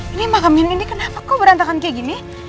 ini makamnya nindi kenapa kok berantakan kayak gini